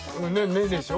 根でしょ。